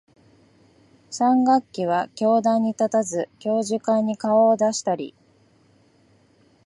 三学期は教壇に立たず、教授会に顔を出したり、